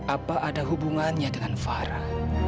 apa ada hubungannya dengan farah